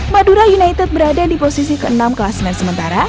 madura united berada di posisi ke enam klasmen sementara